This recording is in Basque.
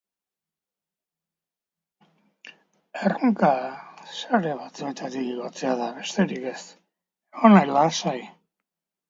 Sare batzuetatik igotzea eta janari zakuak hartzea izango da erronka.